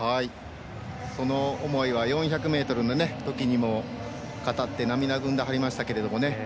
その思いは４００ｍのときにも語って涙ぐんではりましたけど。